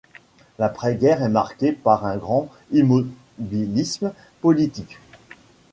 L'après-guerre est marquée par un grand immobilisme politique.